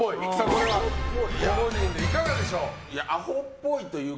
これはご本人でいかがでしょう。